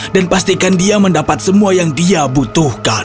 dan pastikan dia mendapat semua yang dia butuhkan